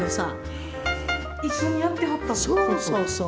へえ一緒にやってはった？